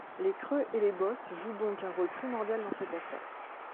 Les creux et les bosses jouent donc un rôle primordial dans cette affaire.